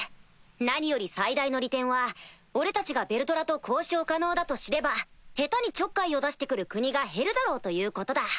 何より最大の利点は俺たちがヴェルドラと交渉可能だと知れば下手にちょっかいを出して来る国が減るだろうということだ。